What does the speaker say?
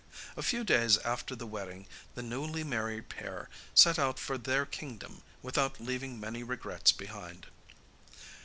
A few days after the wedding the newly married pair set out for their kingdom without leaving many regrets behind.